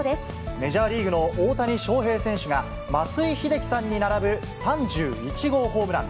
メジャーリーグの大谷翔平選手が、松井秀喜さんに並ぶ３１号ホームラン。